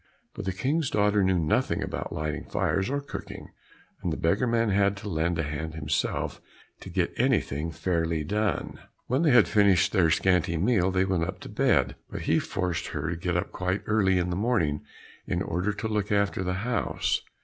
But the King's daughter knew nothing about lighting fires or cooking, and the beggar man had to lend a hand himself to get anything fairly done. When they had finished their scanty meal they went to bed; but he forced her to get up quite early in the morning in order to look after the house.